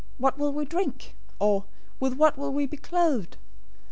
'What will we drink?' or, 'With what will we be clothed?'